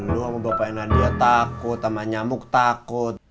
lu sama bapaknya nadia takut sama nyamuk takut